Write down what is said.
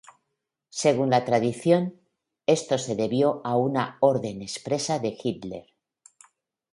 Según la tradición esto se debió a una orden expresa de Hitler.